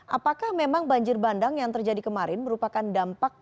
apakah memang banjir bandang yang terjadi kemarin merupakan dampak